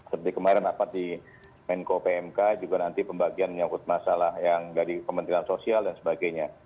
seperti kemarin rapat di menko pmk juga nanti pembagian menyangkut masalah yang dari kementerian sosial dan sebagainya